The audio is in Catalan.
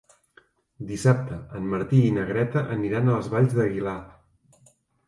Dissabte en Martí i na Greta aniran a les Valls d'Aguilar.